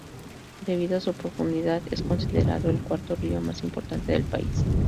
Debido a su profundidad es considerado el cuarto río más importante del país.